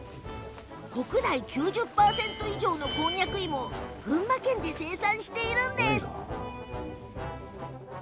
国内９０％以上のこんにゃく芋を群馬県で生産しているんです。